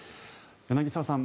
柳澤さん